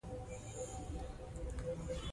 خو خپله مې ځان سپک هیڅ نه احساساوه.